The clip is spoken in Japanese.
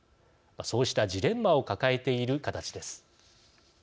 そうしたジレンマを抱えている形です。